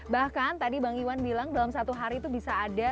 bahkan tadi bang iwan bilang dalam satu hari itu bisa ada